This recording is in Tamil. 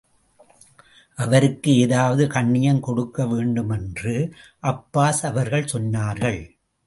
அவருக்கு ஏதாவது கண்ணியம் கொடுக்க வேண்டும் என்று அப்பாஸ் அவர்கள் சொன்னார்கள்.